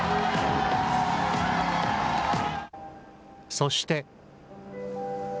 そして。